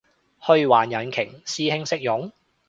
虛幻引擎？師兄識用？